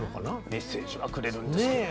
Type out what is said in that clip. メッセージはくれるんですけどね。